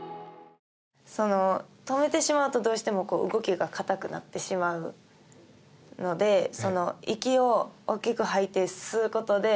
止めてしまうとどうしても動きが硬くなってしまうので息を、大きく吐いて吸うことで